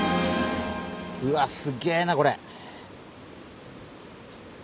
うわっすげえなこれ。